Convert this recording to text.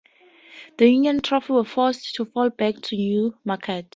The Union troops were forced to fall back to New Market.